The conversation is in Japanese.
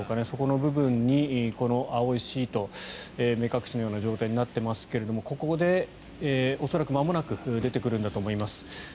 そこの部分にこの青いシート目隠しのような状態になっていますがここで恐らくまもなく出てくるんだと思います。